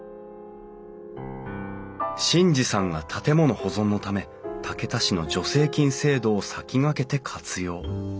眞二さんが建物保存のため竹田市の助成金制度を先駆けて活用。